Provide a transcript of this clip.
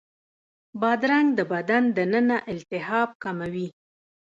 بادرنګ د بدن دننه التهاب کموي.